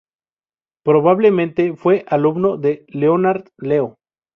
Probablemente fue alumno de Leonard Leo.